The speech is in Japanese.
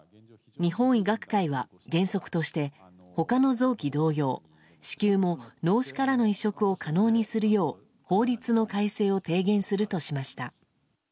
日本医学会は原則として他の臓器同様子宮も脳死からの移植を可能にするよう法律の改正を提言するとしました。